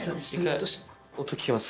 音聞きます？